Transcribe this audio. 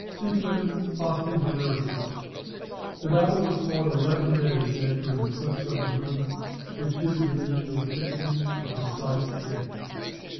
[See Clinton's "Fasti Hellenici." The battle was fought eleven days after an eclipse of the moon, which gives the means of fixing the precise date.